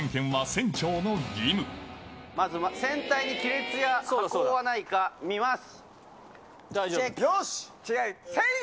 そう、まず、船体に亀裂や破口はないか、見ます。